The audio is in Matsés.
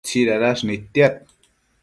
tsidadash nidtiad